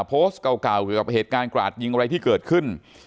โพสต์เก่าเหตุการณ์กราดยิงอะไรที่เกิดขึ้น